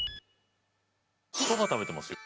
そば食べてますよ。